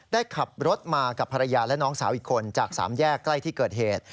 ได้ขับรถมากับภรรยาและน้องสาวอีกคนจากสามแยกใกล้ที่เกิดเหตุ